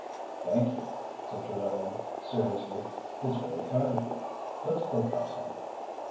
"Thank you," said Trevellyan seriously; "it's very kind of you. Let's both have some."